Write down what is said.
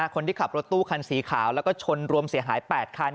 คนที่ขับรถตู้คันสีขาวแล้วก็ชนรวมเสียหาย๘คัน